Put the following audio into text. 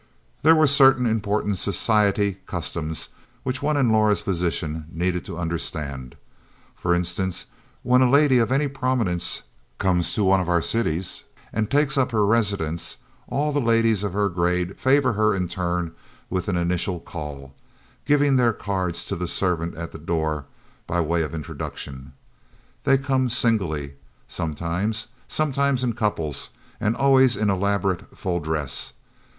There were certain important "society" customs which one in Laura's position needed to understand. For instance, when a lady of any prominence comes to one of our cities and takes up her residence, all the ladies of her grade favor her in turn with an initial call, giving their cards to the servant at the door by way of introduction. They come singly, sometimes; sometimes in couples; and always in elaborate full dress.